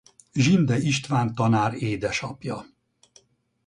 Zsindely István tanár édesapja.